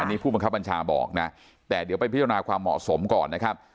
อันนี้ผู้บังคับบัญชาบอกนะแต่เดี๋ยวไปพิจารณาความเหมาะสมก่อนนะครับ